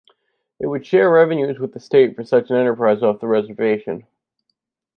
It would share revenues with the state for such an enterprise off the reservation.